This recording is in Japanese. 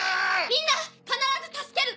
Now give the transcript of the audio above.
みんな必ず助ける！